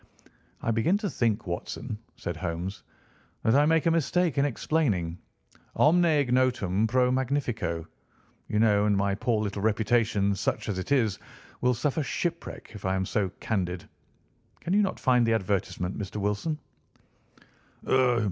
"I begin to think, Watson," said Holmes, "that I make a mistake in explaining. 'Omne ignotum pro magnifico,' you know, and my poor little reputation, such as it is, will suffer shipwreck if I am so candid. Can you not find the advertisement, Mr. Wilson?"